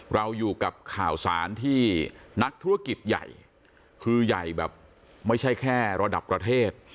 เราอยู่กับข่าวสารที่นักธุรกิจใหญ่คือใหญ่แบบไม่ใช่แค่ระดับประเทศ